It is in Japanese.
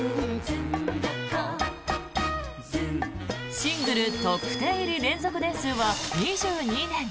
シングルトップ１０入り連続年数は２２年。